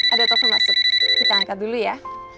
ada toko masuk kita angkat dulu ya